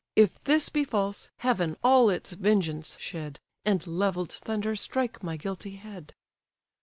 If this be false, heaven all its vengeance shed, And levell'd thunder strike my guilty head!"